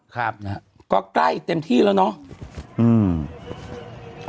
ก็ใกล้เต็มที่แล้วเนาะ